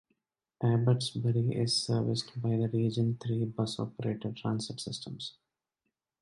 Abbotsbury is serviced by the region three bus operator Transit Systems.